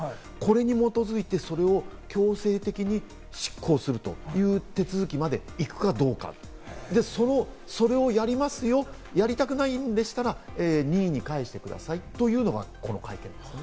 これに基づいてそれを強制的に執行するという手続きまでいくかどうか、それをやりますよ、やりたくないんでしたら任意に返してくださいというのがこの過程です。